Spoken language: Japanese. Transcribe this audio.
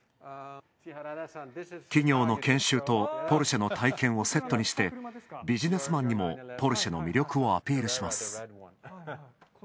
企業の研修とポルシェの体験をセットにして、ビジネスマンにもポルシェの魅力をアピールします。